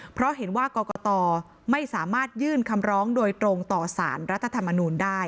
เพราะเห็นว่ากรกตไม่สามารถยื่นคำร้องโดยตรงต่อสารรัฐธรรมนูลได้